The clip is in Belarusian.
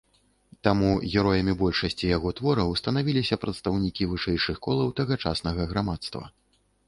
Таму героямі большасці яго твораў станавіліся прадстаўнікі вышэйшых колаў тагачаснага грамадства.